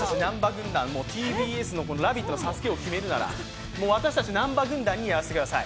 ＴＢＳのＳＡＳＵＫＥ王を決めるならもう私たち南波軍団にやらせてください。